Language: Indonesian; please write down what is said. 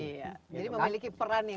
jadi memiliki peran yang gelas